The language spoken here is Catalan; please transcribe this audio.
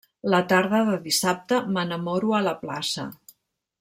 La tarda de dissabte m'enamoro a la plaça.